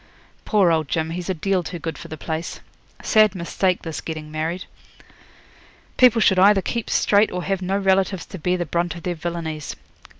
'Poor old Jim, he's a deal too good for the place. Sad mistake this getting married. People should either keep straight or have no relatives to bear the brunt of their villainies.